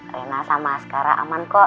reina sama askara aman kok